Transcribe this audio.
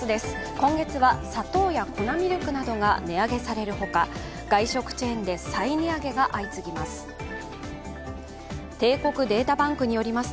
今月は砂糖や粉ミルクなどが値上げされるほか外食チェーンで再値上げが相次ぎます。